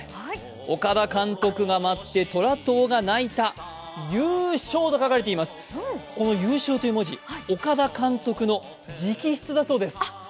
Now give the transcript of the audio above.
岡田監督が舞って虎党が泣いた、「優勝」と書かれています、この「優勝」という文字、岡田監督の直筆だそうです。